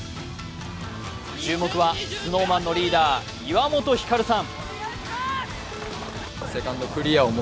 注目はＳｎｏｗＭａｎのリーダー・岩本照さん。